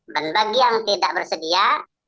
dan bagi yang tidak bersedia